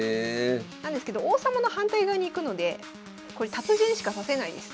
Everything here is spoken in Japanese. なんですけど王様の反対側に行くのでこれ達人しか指せないです。